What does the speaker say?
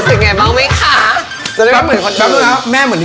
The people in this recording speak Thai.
เป็นคำถามแบบเฟิร์มแทพ้น